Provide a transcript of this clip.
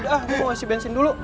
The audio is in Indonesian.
ah gue mau ngasih bensin dulu